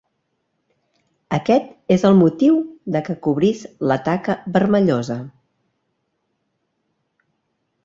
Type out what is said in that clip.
Aquest és el motiu de que cobrís la taca vermellosa.